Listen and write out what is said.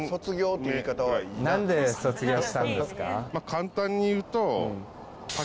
簡単に言うと。